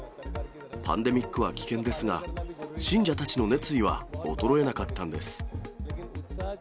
パンデミックは危険ですが、信者たちの熱意は衰えなかったんです。